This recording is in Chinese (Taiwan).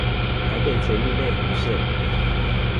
台北捷運內湖線